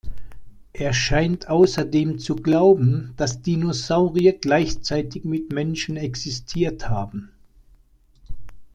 Er scheint außerdem zu glauben, dass Dinosaurier gleichzeitig mit Menschen existiert haben.